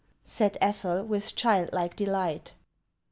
" said Ethel, with child like delight.